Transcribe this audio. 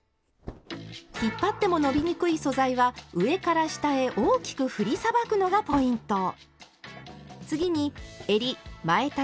引っ張っても伸びにくい素材は上から下へ大きく振りさばくのがポイント。